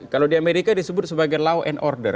kalau di amerika disebut sebagai law and order